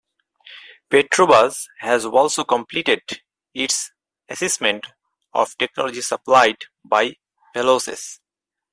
Petrobras has also completed its assessment of technology supplied by Velocys.